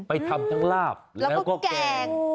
ไปทำทั้งลาบแล้วก็แกง